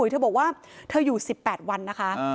เธอบอกว่าเธออยู่สิบแปดวันนะคะ